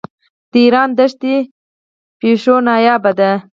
د ایران دښتي پیشو نایابه ده.